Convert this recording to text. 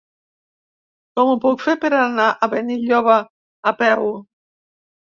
Com ho puc fer per anar a Benilloba a peu?